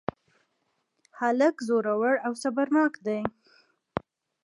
هلک زړور او صبرناک دی.